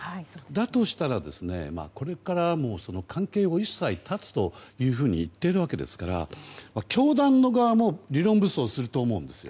だとしたら、これからもその関係を一切断つというふうに言っているわけですから教団側も理論武装すると思うんです。